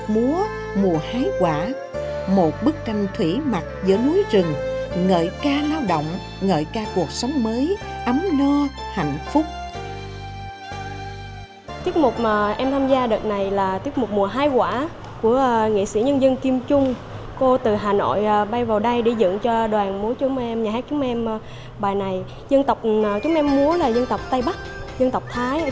một bức tranh thủy mặt giữa núi rừng ngợi ca lao động ngợi ca cuộc sống mới ấm nơ hạnh phúc